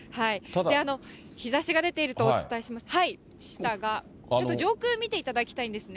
日ざしが出ているとお伝えしましたが、ちょっと上空、見ていただきたいんですね。